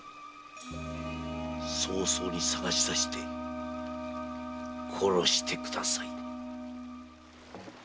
早々に捜し出して殺してください。